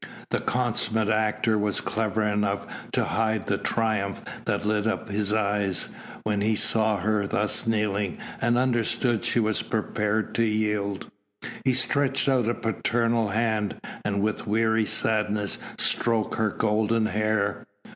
The consummate actor was clever enough to hide the triumph that lit up his eyes when he saw her thus kneeling, and understood that she was prepared to yield. He stretched out a paternal hand, and with weary sadness stroked her golden hair.